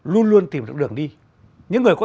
luôn luôn tìm được đường đi những người có